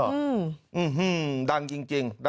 อื้อหือดังจริง